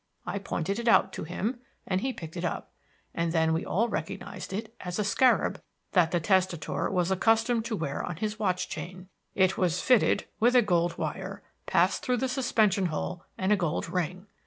I pointed it out to him and he picked it up, and then we all recognized it as a scarab that the testator was accustomed to wear on his watch chain. It was fitted with a gold wire passed through the suspension hole and a gold ring.